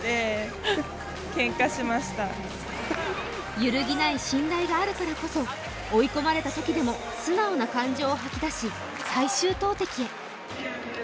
揺るぎない信頼があるからこそ追い込まれたときでも素直な感情を吐き出し、最終投てきへ。